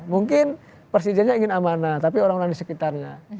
mungkin persijanya ingin amanah tapi orang orang di sekitarnya